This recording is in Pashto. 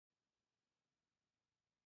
چې پښتانه دې په شعوري ټوګه لوستي شي.